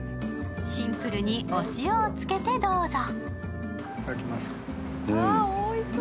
シンプルに、お塩をつけてどうぞ。